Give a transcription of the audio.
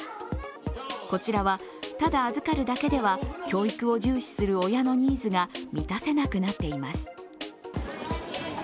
こちらは、ただ預かるだけでは教育を重視する親のニーズが満たせなくなっています。